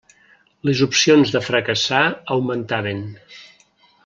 Les opcions de fracassar augmentaven.